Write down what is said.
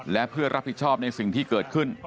และเพื่อรับผิดชอบในสิ่งที่เกิดขึ้น